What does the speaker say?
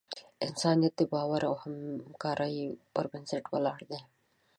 انسانیت د باور او همکارۍ پر بنسټ ولاړ دی.